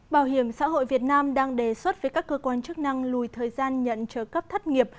bảo hiểm xã hội việt nam đang đề xuất với các cơ quan chức năng lùi thời gian nhận trợ cấp thất nghiệp